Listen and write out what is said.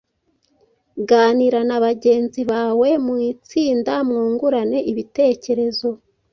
Ganira na bagenzi bawe mu itsinda mwungurane ibitekerezo